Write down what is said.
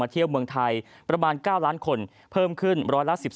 เที่ยวเมืองไทยประมาณ๙ล้านคนเพิ่มขึ้นร้อยละ๑๒